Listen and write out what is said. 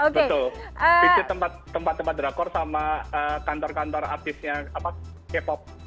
betul itu tempat tempat drakor sama kantor kantor artisnya k pop